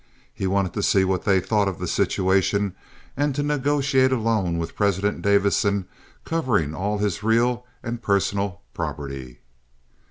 He wanted to see what they thought of the situation and to negotiate a loan with President Davison covering all his real and personal property.